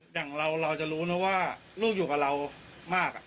อย่างเราจะรู้นะว่าลูกอยู่กับเรามาก